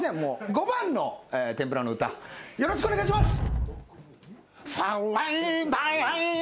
伍番の天ぷらの歌よろしくお願いします。